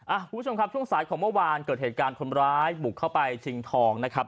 คุณผู้ชมครับช่วงสายของเมื่อวานเกิดเหตุการณ์คนร้ายบุกเข้าไปชิงทองนะครับ